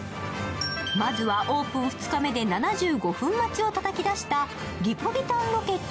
まずはオープン２日目で７５分待ちをたたき出したリポビタンロケット☆